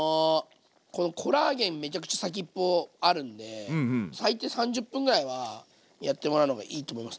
このコラーゲンめちゃくちゃ先っぽあるんで最低３０分ぐらいはやってもらうのがいいと思います。